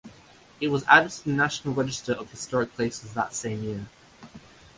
It was added to the National Register of Historic Places that same year.